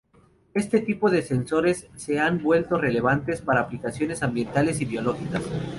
Este tipo de sensores se han vuelto relevantes para aplicaciones ambientales y biológicas.